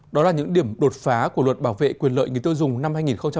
đó là những điểm đột phá của luật bảo vệ quyền lợi người tiêu dùng năm hai nghìn một mươi chín